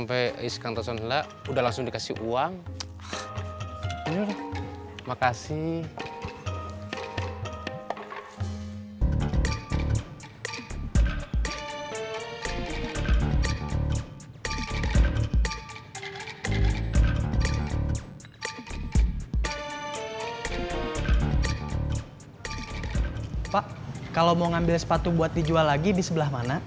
pak kalau mau ngambil sepatu buat dijual lagi di sebelah mana